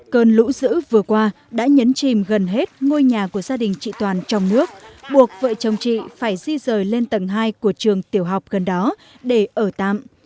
cơn lũ dữ vừa qua đã nhấn chìm gần hết ngôi nhà của gia đình chị toàn trong nước buộc vợ chồng chị phải di rời lên tầng hai của trường tiểu học gần đó để ở tạm